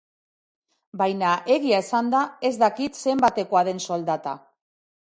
Baina, egia esanda, ez dakit zenbatekoa den soldata.